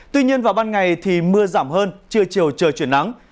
tuy nhiên vào ban ngày thì mưa giảm hơn trưa chiều trời chuyển nắng